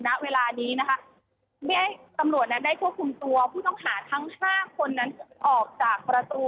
ณเวลานี้นะคะตำรวจนั้นได้ควบคุมตัวผู้ต้องหาทั้งห้าคนนั้นออกจากประตู